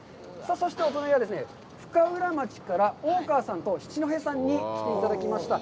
そしてお隣は深浦町から大川さんと七戸さんに来ていただきました。